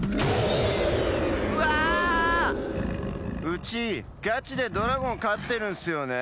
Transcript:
うちガチでドラゴンかってるんすよね。